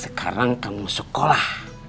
sekarang kamu sekolah